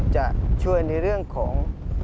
จะช่วยในเรื่องของ